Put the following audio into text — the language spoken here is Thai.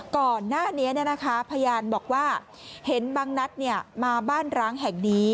ก่อนหน้านี้พยานบอกว่าเห็นบางนัดมาบ้านร้างแห่งนี้